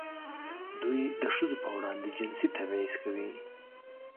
دوی د ښځو پر وړاندې جنسي تبعیض کوي.